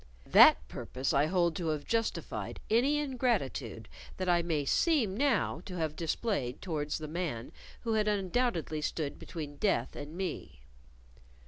That purpose I hold to have justified any ingratitude that I may seem now to have displayed towards the man who had undoubtedly stood between death and me.